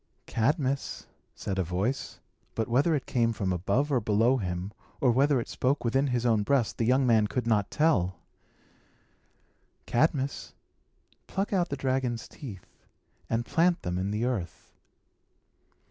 "Cadmus," said a voice but whether it came from above or below him, or whether it spoke within his own breast, the young man could not tell "Cadmus, pluck out the dragon's teeth, and plant them in the earth."